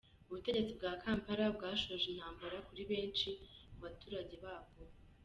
Ubutegetsi bwa Kampala bwashoje intambara kuri benshi mu baturage babwo.